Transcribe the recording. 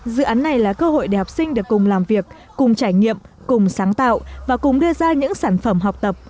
dự án này là cơ hội để học sinh được cùng làm việc cùng trải nghiệm cùng sáng tạo và cùng đưa ra những sản phẩm học tập